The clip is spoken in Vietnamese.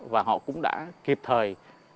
và họ cũng đã kịp thời